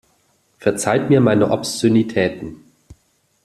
Verzeiht mir meine Obszönitäten.